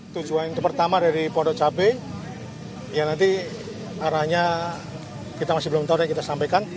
tujuan itu pertama dari pondok cabai ya nanti arahnya kita masih belum tahu dan kita sampaikan